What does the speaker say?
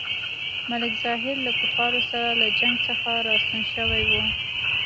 ملک ظاهر له کفارو سره له جنګ څخه راستون شوی وو.